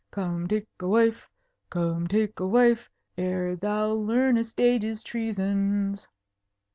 "Come, take a wife, Come, take a wife, Ere thou learnest age's treasons!"